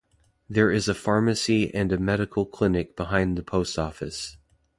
There is a pharmacy and a medical clinic behind the post office.